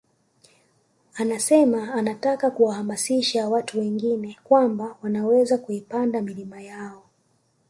Anasema anataka kuwahamasisha watu wengine kwamba wanaweza kuipanda milima yao